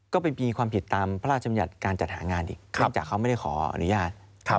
ก็ไปมีความผิดตามพระราชบัญญัติการจัดหางานอีกเนื่องจากเขาไม่ได้ขออนุญาต